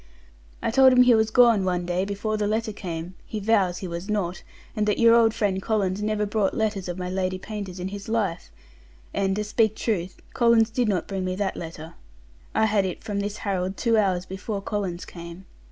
I told him he was gone one day before the letter came; he vows he was not, and that your old friend Collins never brought letters of my Lady Paynter's in his life; and, to speak truth, Collins did not bring me that letter. I had it from this Harrold two hours before Collins came.